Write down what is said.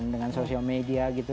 dengan sosial media gitu